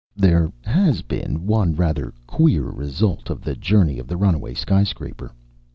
There has been one rather queer result of the journey of the runaway sky scraper.